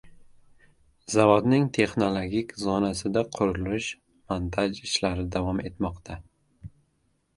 Zavodning texnologik zonasida qurilish-montaj ishlari davom etmoqda